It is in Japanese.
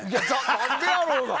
何でやろうな？